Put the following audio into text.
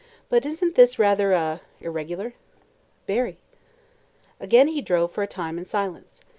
"But isn't this rather er irregular?" "Very." Again he drove for a time in silence.